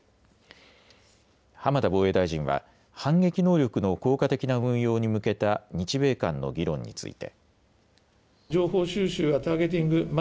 浜田防衛大臣は反撃能力の効果的な運用に向けた日米間の議論について。